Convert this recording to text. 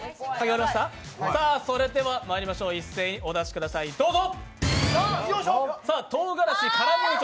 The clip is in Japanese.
それではまいりましょう一斉にお出しください、どうぞ。